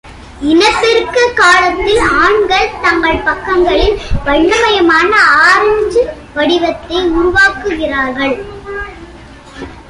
இனப்பெருக்க காலத்தில், ஆண்கள் தங்கள் பக்கங்களில் வண்ணமயமான ஆரஞ்சு வடிவத்தை உருவாக்குகிறார்கள்.